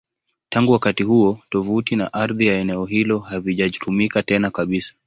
Tangu wakati huo, tovuti na ardhi ya eneo hilo havijatumika tena kabisa.